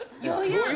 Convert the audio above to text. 余裕。